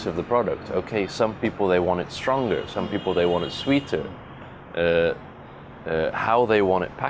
kopasus meminta untuk formasi ini